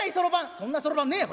「そんなそろばんねえよ